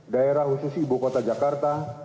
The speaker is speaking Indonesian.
daerah khusus ibu kota jakarta